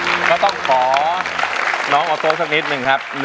เอาล่ะก็ต้องขอน้องอโต้สักนิดนึงครับ